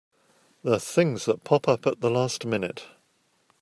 The things that pop up at the last minute!